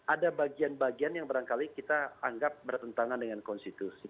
ada bagian bagian yang barangkali kita anggap bertentangan dengan konstitusi